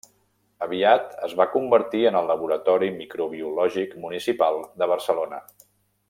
Aviat es va convertir en el Laboratori Microbiològic Municipal de Barcelona.